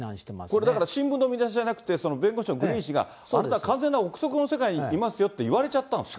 これ、だから新聞の見出しじゃなくて、弁護士のグリーン氏が、あなた、完全な臆測の世界にいますよって言われちゃったんですね。